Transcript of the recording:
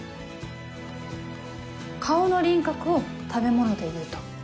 顔の輪郭を食べ物でいうと？